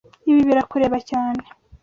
Ibi birakureba cyane.